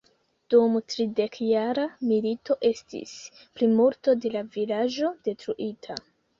Dum tridekjara milito estis plimulto de la vilaĝo detruita.